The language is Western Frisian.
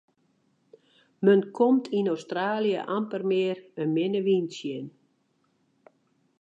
Men komt yn Australië amper mear in minne wyn tsjin.